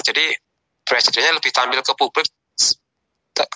jadi presidennya lebih tampil ke publik